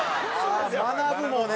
まなぶもね。